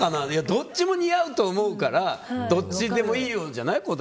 どっちも似合うと思うからどっちでもいいよじゃない？